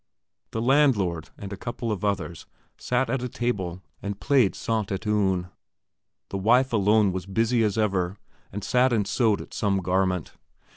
The landlord and a couple of others sat at a table and played cent et un. The wife alone was busy as ever, and sat and sewed at some garment.